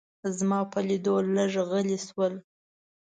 زما په لیدو لږ غلي شول.